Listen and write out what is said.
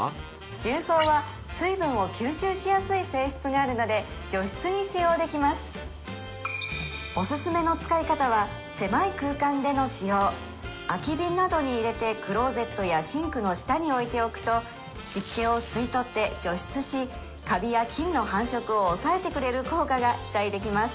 重曹は水分を吸収しやすい性質があるので除湿に使用できますおすすめの使い方は狭い空間での使用空きビンなどに入れてクローゼットやシンクの下に置いておくと湿気を吸い取って除湿しカビや菌の繁殖を抑えてくれる効果が期待できます